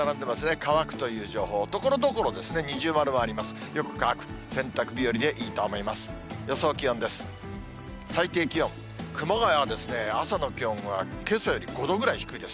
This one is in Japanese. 乾くという情報、ところどころで二重丸もあります。